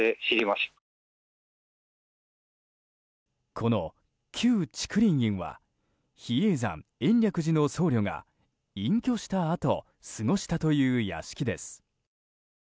この旧竹林院は比叡山延暦寺の僧侶が隠居したあと過ごしたという屋敷です。